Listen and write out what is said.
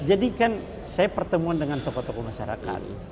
jadi kan saya pertemuan dengan tokoh tokoh masyarakat